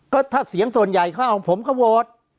ก็ถ้าเสียงส่วนใหญ่เข้าของผมก็โหวต